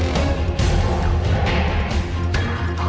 mama punya rencana